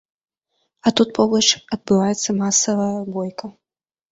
А тут побач адбываецца масавая бойка.